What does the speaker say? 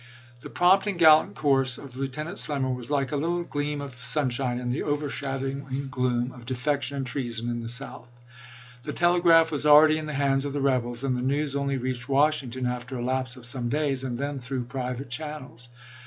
The prompt and gallant course of Lieutenant Slemmer was like a little gleam of sunshine in the overshadowing gloom of defection and treason in the South. The telegraph was already in the hands of the rebels, and the news only reached Washing ton after a lapse of some days, and then through private channels.